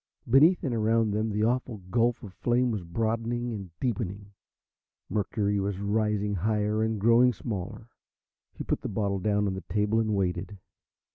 Beneath and around them the awful gulf of flame was broadening and deepening. Mercury was rising higher and growing smaller. He put the bottle down on the table and waited.